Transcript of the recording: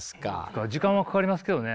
時間はかかりますけどね。